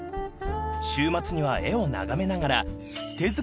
［週末には絵を眺めながら］